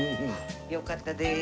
よかったです。